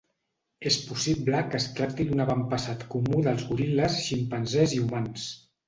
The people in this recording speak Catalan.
És possible que es tracti d'un avantpassat comú dels goril·les, ximpanzés i humans.